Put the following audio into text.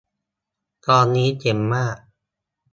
ตอนนี้เจ๋งมาก